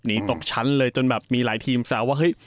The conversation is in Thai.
หนีตกชั้นเลยจนแบบมีหลายทีมแซวว่า